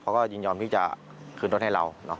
ยินยอมที่จะคืนรถให้เรา